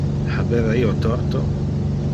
Habeva io torto?